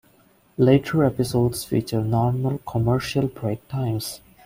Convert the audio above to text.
Later episodes featured normal commercial break times.